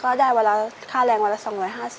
ก็ได้ค่าแรงเวลา๒๕๐บาท